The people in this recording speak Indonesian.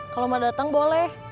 kalau mau datang boleh